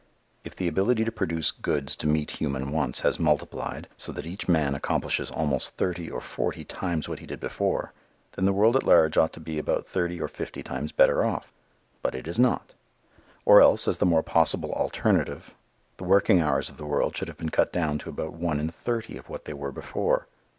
If the ability to produce goods to meet human wants has multiplied so that each man accomplishes almost thirty or forty times what he did before, then the world at large ought to be about thirty or fifty times better off. But it is not. Or else, as the other possible alternative, the working hours of the world should have been cut down to about one in thirty of what they were before.